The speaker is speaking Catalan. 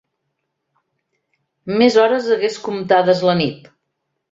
Més hores hagués comptades la nit